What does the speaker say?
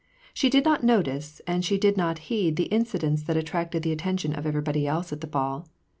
She did not notice and she did not heed the incidents that attracted the attention of everybody else at the ball.